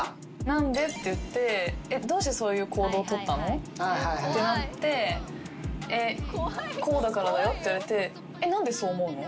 「何で？」って言って「どうしてそういう行動を取ったの？」ってなって「こうだからだよ」って言われて「えっ何でそう思うの？」